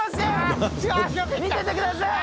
よし！